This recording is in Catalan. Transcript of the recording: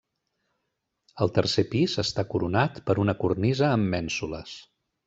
El tercer pis està coronat per una cornisa amb mènsules.